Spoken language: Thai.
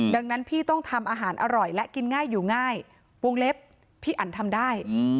ดังนั้นพี่ต้องทำอาหารอร่อยและกินง่ายอยู่ง่ายวงเล็บพี่อันทำได้